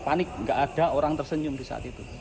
panik nggak ada orang tersenyum di saat itu